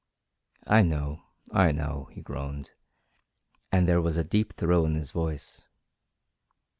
"I know I know," he groaned, and there was a deep thrill in his voice.